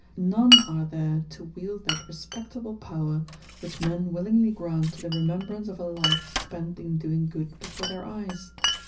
None are there to wield that respectable power which men willingly grant to the remembrance of a life spent in doing good before their eyes.